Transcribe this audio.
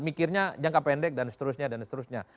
mikirnya jangka pendek dan seterusnya dan seterusnya